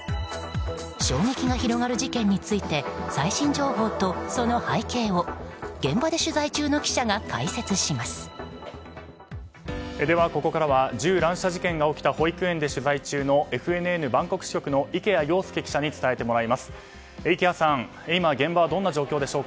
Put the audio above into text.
衝撃が広がる事件について最新情報とその背景を現場で取材中の記者がでは、ここからは銃乱射事件が起きた保育園で取材中のＦＮＮバンコク支局の池谷庸介記者に伝えてもらいます。